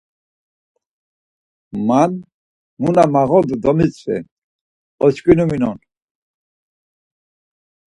Man mu na mağodu domitzvi, oçkinu minon.